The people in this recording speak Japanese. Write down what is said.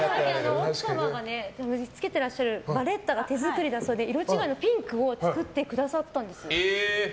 奥様がつけていらっしゃるバレッタが手作りだそうで色違いのピンクを本当にはい。